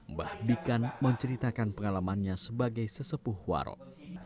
mbah bikan menceritakan pengalamannya sebagai sesepuh warok